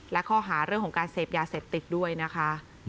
และข้อหาเรื่องของการเสพยาเสพติดด้วยนะคะ